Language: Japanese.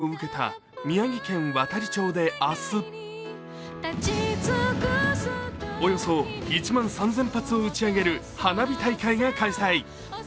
震災で甚大な被害を受けた宮城県亘理町で明日およそ１万３０００発を打ち上げる花火大会が開催。